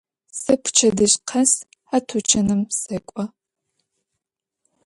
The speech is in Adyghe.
Сэ пчэдыжь къэс а тучаным сэкӏо.